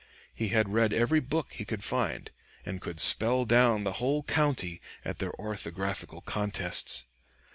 He had read every book he could find, and could "spell down" the whole county at their orthographical contests.